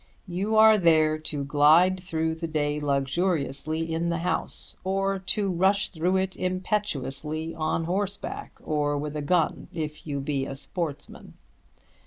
You are there to glide through the day luxuriously in the house, or to rush through it impetuously on horseback or with a gun if you be a sportsman.